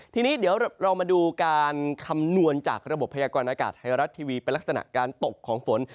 ทีนี้เดี๋ยวเรามาดูการคำนวณจากระบบพยากรณากาศไทยรัฐทีวีเป็นลักษณะการตกของฝน